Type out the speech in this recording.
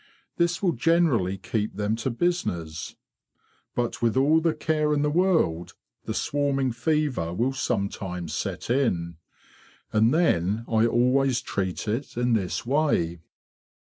This will generally keep them to business; but with all the care in the world the swarming fever will sometimes set in. And then I always treat it in this way."